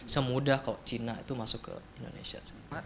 semudah kalau cina itu masuk ke indonesia